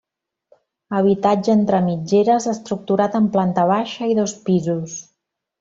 Habitatge entre mitgeres estructurat en planta baixa i dos pisos.